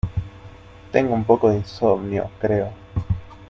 Tengo un poco de insomnio, creo.